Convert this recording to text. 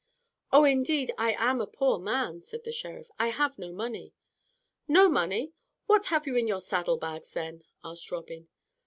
"Oh! indeed I am a poor man," said the Sheriff, "I have no money." "No money! What have you in your saddle bags, then?" asked Robin.